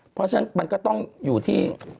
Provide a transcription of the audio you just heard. เพราะฉะนั้นมันก็ต้องอยู่ที่